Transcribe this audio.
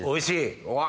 うわ！